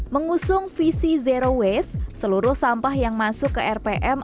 mengusung visi zero waste seluruh sampah yang masuk ke rpm